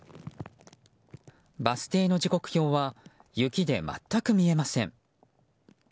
バス停の時刻表は雪で全く見えません。